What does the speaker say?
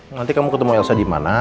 nanti kamu ketemu elsa di mana